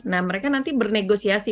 nah mereka nanti bernegosiasi